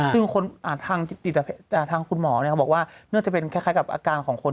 คืออาทางคุณหมอบอกว่าเนื่องจะเป็นคลักษณ์แค่แก่กัจของคน